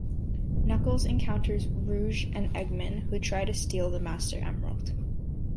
Knuckles encounters Rouge and Eggman, who try to steal the Master Emerald.